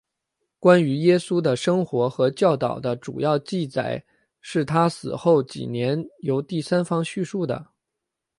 关于耶稣的生活和教导的主要记载是他死后几年由第三方叙述的。